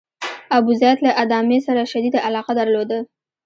ابوزید له ادامې سره شدیده علاقه درلوده.